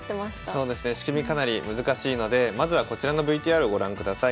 仕組みかなり難しいのでまずはこちらのＶＴＲご覧ください。